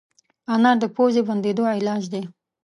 انار د پوزې بندېدو علاج دی.